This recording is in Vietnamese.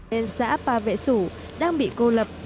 điểm đến xã ba vệ sủ đang bị cô lập